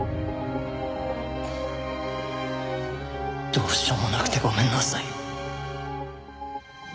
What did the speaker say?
どうしようもなくてごめんなさい。